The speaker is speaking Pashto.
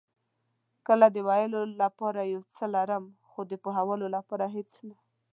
کله د ویلو لپاره ډېر څه لرم، خو د پوهولو لپاره هېڅ نه.